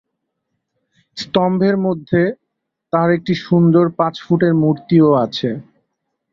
স্তম্ভের মধ্যে তার একটি সুন্দর পাঁচ ফুটের মূর্তিও আছে।